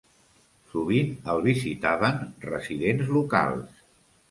Sovint el visitaven residents locals.